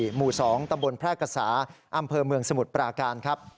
หมู่๒ตำบลแพร่กษาอำเภอเมืองสมุทรปราการครับ